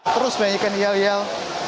terus menyanyikan yel yel